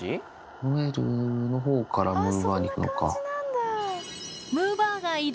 ノエルの方からむぅばあに行くのか。